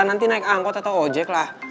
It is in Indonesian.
nanti naik angkot atau ojek lah